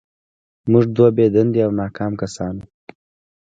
موږ دوه بې دندې او ناکام کسان وو